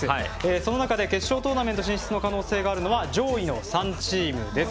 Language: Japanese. その中で決勝トーナメント進出の可能性があるのは上位の３チームです。